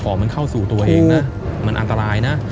มันเข้าสู่ตัวเองนะมันอันตรายนะ